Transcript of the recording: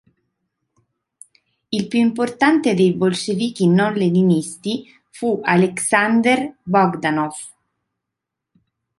Il più importante dei bolscevichi non-leninisti fu Alexander Bogdanov.